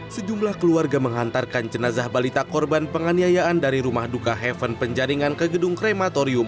sejumlah keluarga menghantarkan jenazah balita korban penganiayaan dari rumah duka heaven penjaringan ke gedung krematorium